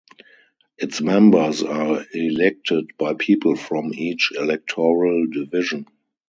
Its members are elected by people from each electoral division.